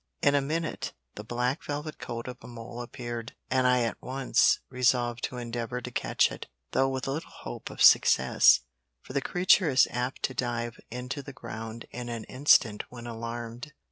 In a minute the black velvet coat of a mole appeared, and I at once resolved to endeavour to catch it, though with little hope of success, for the creature is apt to dive into the ground in an instant when alarmed.